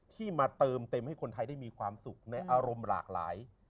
ที่มาเติมเต็มให้คนไทยได้มีความสุขในอารมณ์หลากหลาย